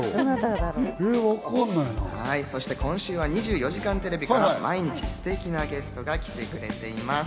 そして今週は『２４時間テレビ』から毎日ステキなゲストが来てくれています。